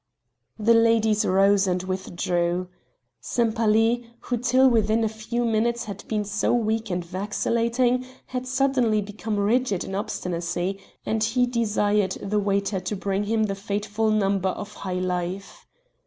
The ladies rose and withdrew; Sempaly, who till within a few minutes had been so weak and vacillating, had suddenly become rigid in obstinacy and he desired the waiter to bring him the fateful number of 'High Life'.